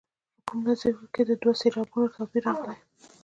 که په کوم نظم کې د دوو سېلابونو توپیر راغلی.